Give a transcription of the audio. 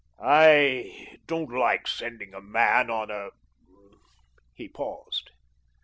"I don't like sending a man on a " He paused.